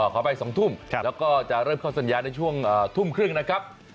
ขอไป๒ทุ่มแล้วก็จะเริ่มเข้าสัญญาในช่วงทุ่มครึ่งนะครับ